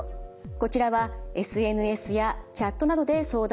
こちらはＳＮＳやチャットなどで相談が可能です。